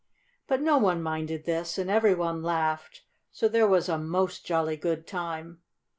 But no one minded this, and every one laughed, so there was a most jolly good time.